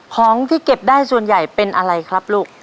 ของที่เก็บได้ส่วนใหญ่เป็นอะไรครับลูก